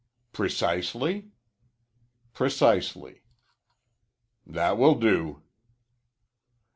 "Precisely?" "Precisely." "That will do."